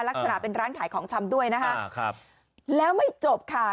ลักษณะเป็นร้านขายของชำด้วยนะคะครับแล้วไม่จบค่ะ